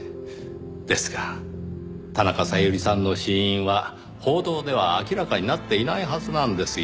ですが田中小百合さんの死因は報道では明らかになっていないはずなんですよ。